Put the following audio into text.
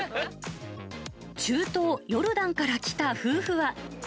中東ヨルダンから来た夫婦は。